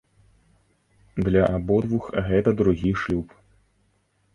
Для абодвух гэта другі шлюб.